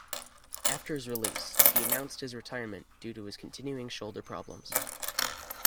After his release, he announced his retirement due to continuing shoulder problems.